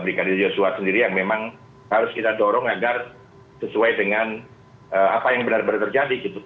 brigadir yosua sendiri yang memang harus kita dorong agar sesuai dengan apa yang benar benar terjadi gitu